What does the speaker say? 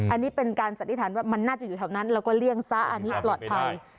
อันนี้เป็นการสันนิษฐานว่ามันน่าจะอยู่แถวนั้นแล้วก็เลี่ยงซะอันนี้ปลอดภัย